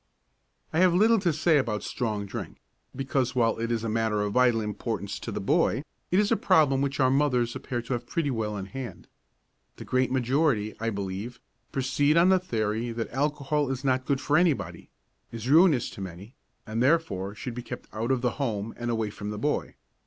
I have little to say about strong drink, because, while it is a matter of vital importance to the boy, it is a problem which our mothers appear to have pretty well in hand. The great majority, I believe, proceed on the theory that alcohol is not good for anybody, is ruinous to many, and, therefore, should be kept out of the home and away from the boy.